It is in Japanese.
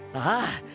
ああ！